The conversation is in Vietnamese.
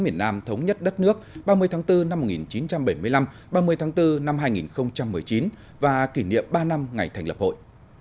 miền nam thống nhất đất nước ba mươi tháng bốn năm một nghìn chín trăm bảy mươi năm ba mươi tháng bốn năm hai nghìn một mươi chín và kỷ niệm ba năm ngày thành lập hội